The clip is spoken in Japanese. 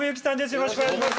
よろしくお願いします！